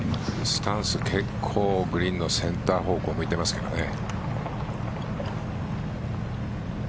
スタンス結構グリーンのセンター方向向いてますけどね。